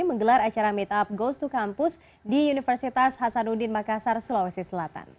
menggelar acara meet up goes to campus di universitas hasanuddin makassar sulawesi selatan